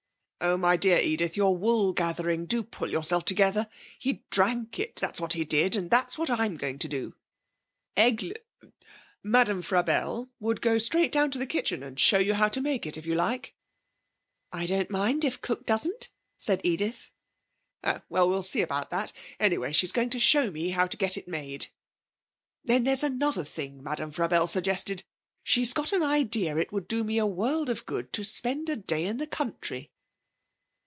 'Oh, my dear Edith, you're wool gathering. Do pull yourself together. He drank it, that's what he did, and that's what I'm going to do. Eg Madame Frabelle would go straight down into the kitchen and show you how to make it if you like.' 'I don't mind, if cook doesn't,' said Edith. 'Oh, we'll see about that. Anyway she's going to show me how to get it made. 'Then there's another thing Madame Frabelle suggested. She's got an idea it would do me a world of good to spend a day in the country.'